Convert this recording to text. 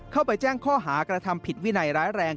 เข้าไปแจ้งข้อหากระทำผิดวินัยร้ายแรง